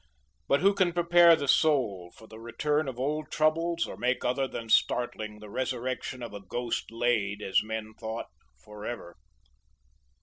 But who can prepare the soul for the return of old troubles or make other than startling the resurrection of a ghost laid, as men thought, forever.